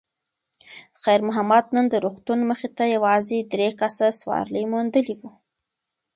خیر محمد نن د روغتون مخې ته یوازې درې کسه سوارلي موندلې وه.